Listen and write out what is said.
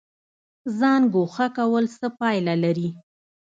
ځان ګوښه کول څه پایله لري؟